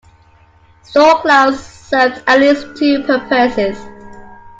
Storcloud served at least two purposes.